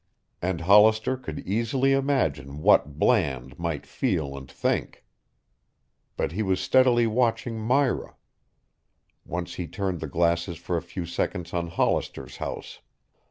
And Hollister could easily imagine what Bland might feel and think. But he was steadily watching Myra. Once he turned the glasses for a few seconds on Hollister's house.